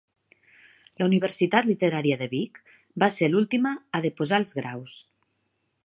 La Universitat Literària de Vic va ser l'última a deposar els graus.